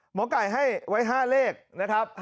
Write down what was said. หมอไก่ให้ไว้๕เลขนะครับ